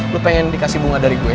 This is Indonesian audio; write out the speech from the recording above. lu pengen dikasih bunga dari gue